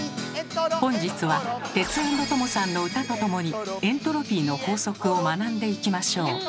本日はテツａｎｄトモさんの歌とともにエントロピーの法則を学んでいきましょう。